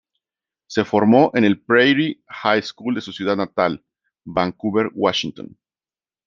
Se formó en el "Prairie High School" de su ciudad natal, Vancouver, Washington.